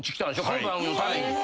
この番組のために。